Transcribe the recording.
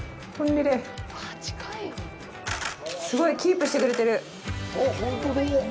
すごいキープしてくれてる。